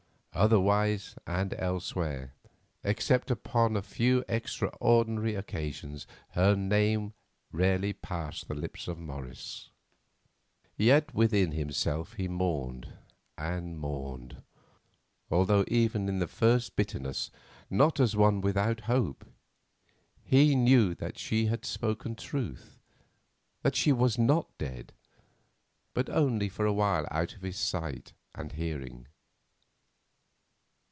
Otherwise and elsewhere, except upon a few extraordinary occasions, her name rarely passed the lips of Morris. Yet within himself he mourned and mourned, although even in the first bitterness not as one without hope. He knew that she had spoken truth; that she was not dead, but only for a while out of his sight and hearing.